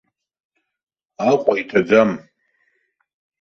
Аҟәа иҭаӡам.